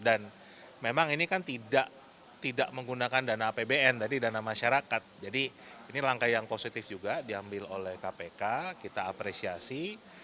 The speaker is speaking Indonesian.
dan memang ini kan tidak menggunakan dana apbn tadi dana masyarakat jadi ini langkah yang positif juga diambil oleh kpk kita apresiasi